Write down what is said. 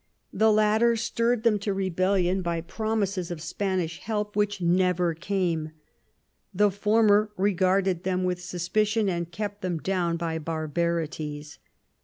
The latter stirred them to rebellion by promises of Spanish help which never came ; the former regarded them with suspicion and kept them down by barbarities.